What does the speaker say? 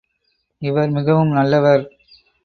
இவர் மிகவும் நல்லவர்.